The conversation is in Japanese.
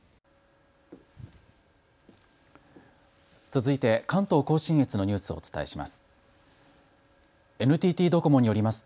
続いて関東甲信越のニュースをお伝えします。